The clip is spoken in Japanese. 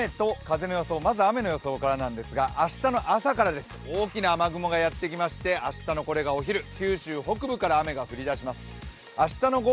その雨と風の予想、まず雨の予想からですが明日の朝から大きな雨雲がやってきまして、明日のお昼、九州北部から雨が降り出します。